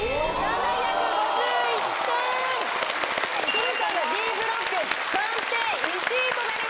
都留さんがＤブロック暫定１位となります。